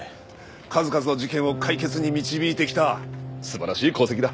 数々の事件を解決に導いてきた素晴らしい功績だ。